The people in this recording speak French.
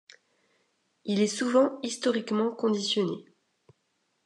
Il est souvent historiquement conditionné.